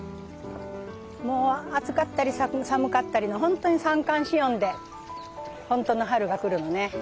もう暑かったり寒かったりの本当に三寒四温で本当の春が来るのね。